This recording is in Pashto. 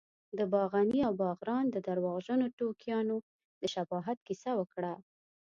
د باغني او باغران درواغجنو ټوکیانو د شباهت کیسه وکړه.